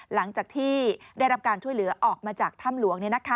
หลังจากที่ได้รับการช่วยเหลือออกมาจากถ้ำหลวง